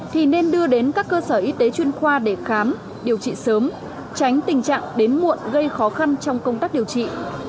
thì nên đưa đến các cơ sở y tế chuyên khoa để khám điều trị sớm tránh tình trạng đến muộn gây khó khăn trong công tác điều trị